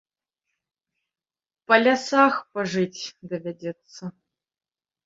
Па лясах пажыць давядзецца.